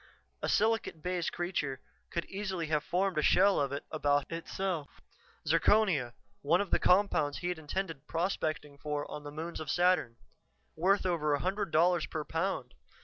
A silicate base creature could easily have formed a shell of it about itself. Zirconia one of the compounds he'd intended prospecting for on the moons of Saturn. Worth over a hundred dollars per pound.